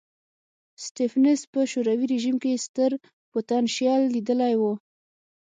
سټېفنس په شوروي رژیم کې ستر پوتنشیل لیدلی و.